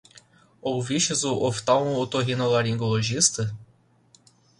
Ouviste o oftalmotorrinolaringologista?